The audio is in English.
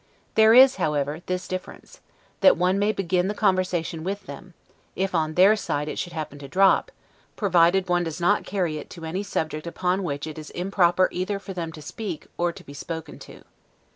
There is, however, this difference, that one may begin the conversation with them, if on their side it should happen to drop, provided one does not carry it to any subject upon which it is improper either for them to speak, or be spoken to.